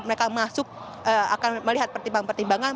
mereka masuk akan melihat pertimbangan pertimbangan